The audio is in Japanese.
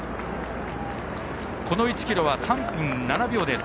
この１ｋｍは３分７秒です。